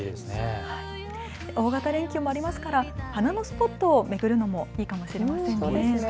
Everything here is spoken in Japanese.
大型連休もありますから花のスポットを巡るのもいいかもしれませんね。